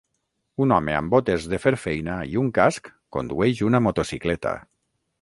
Un home amb botes de fer feina i un casc condueix una motocicleta.